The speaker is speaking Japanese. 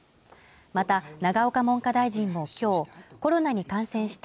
また永岡文科大臣も今日コロナに感染した